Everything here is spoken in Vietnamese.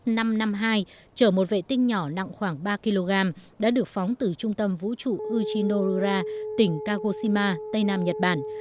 tên lửa ss năm trăm năm mươi hai chở một vệ tinh nhỏ nặng khoảng ba kg đã được phóng từ trung tâm vũ trụ uchino ura tỉnh kagoshima tây nam nhật bản